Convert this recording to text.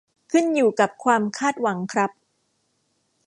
ขึ้นอยู่กับความคาดหวังครับ